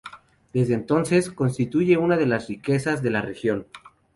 Desde entonces, constituye una de las riquezas de la región.